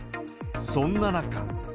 そんな中。